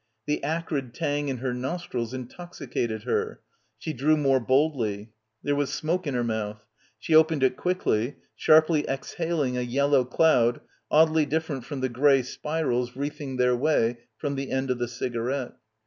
The acrid tang in her nostrils intoxicated her. She drew more boldly. There was smoke in her mouth. She opened it quickly, sharply exhaling a yellow cloud oddly different from the grey spirals wreath ing their way from the end of the cigarette.